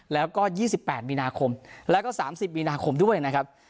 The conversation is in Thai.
แล้วก็๒๘มีนาคมแล้วก็๓๐มีนาคมด้วยนะครับ